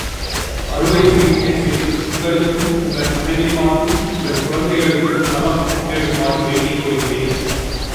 ஆப்பரேஷனைச் செய்து உங்களுக்கும் உங்கள் மனைவி மார்க்கும் உங்கள் குழந்தைகளுக்கும் நலம் தேடுமாறு வேண்டிக்கொள்கிறேன்.